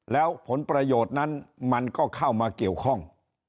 แล้วผลประโยชน์นั้นมันก็เข้ามาเกี่ยวข้อง